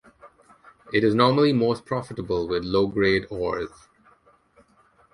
It is normally most profitable with low-grade ores.